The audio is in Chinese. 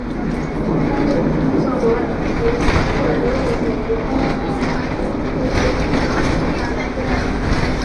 丹利斯克罗斯罗兹是一个位于美国阿拉巴马州科菲县的非建制地区。